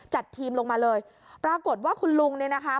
จัดทีมลงมาเลยปรากฏว่าคุณลุงเนี่ยนะคะ